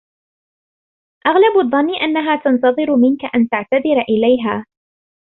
أغلب الظن أنها تنتظر منك أن تعتذر إليها.